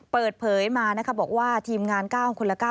เปิดเผยมานะคะบอกว่าทีมงาน๙คนละ๙